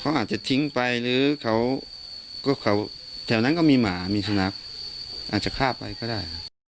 เขาอาจจะทิ้งไปหรือเขาก็แถวนั้นก็มีหมามีสุนัขอาจจะฆ่าไปก็ได้